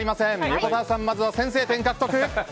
横澤さん、まずは先制点獲得。